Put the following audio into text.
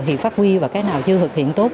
việc phát huy và cái nào chưa thực hiện tốt